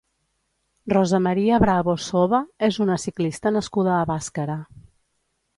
Rosa María Bravo Soba és una ciclista nascuda a Bàscara.